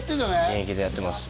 現役でやってます